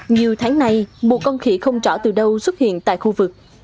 nhiều tháng nay một con khỉ không trỏ từ đâu xuất hiện tại khu vực